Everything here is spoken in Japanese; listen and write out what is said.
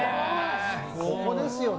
ここですよね。